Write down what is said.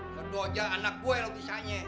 kedua aja anak gue lo pisahnya